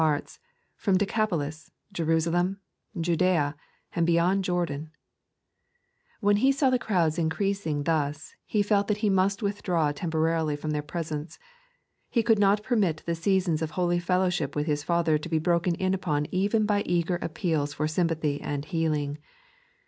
hearts, from Decapolis, Jerusalem, Judtea, and beyond Jordaa When He saw the crowds increaeitig thus, He felt that He must withdraw temporarily from their presence. He could not permit the seasons of holy fellowship with His Father to be broken in upon even by eager appeals for sympathy and healing.